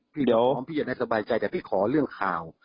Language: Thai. เดี๋ยวพี่จะได้สบายใจแต่พี่ขอเรื่องข่าว